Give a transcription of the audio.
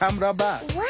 うわ！